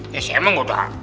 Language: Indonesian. ya saya emang udah